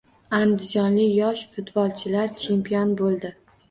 Andijonlik yosh futbolchilar chempion bo‘ldi